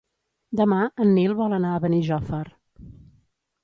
Demà en Nil vol anar a Benijòfar.